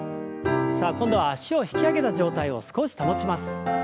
さあ今度は脚を引き上げた状態を少し保ちます。